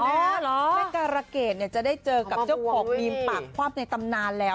แม่การะเกดจะได้เจอกับเจ้าของบีมปากควับในตำนานแล้ว